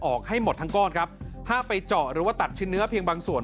ให้หมดทั้งก้อนครับห้ามไปเจาะหรือว่าตัดชิ้นเนื้อเพียงบางส่วน